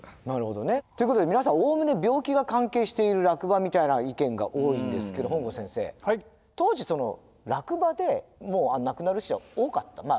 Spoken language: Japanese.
なるほどね。ということで皆さんおおむね病気が関係している落馬みたいな意見が多いんですけど本郷先生当時落馬で亡くなる人は多かった？